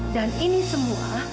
dan ini semua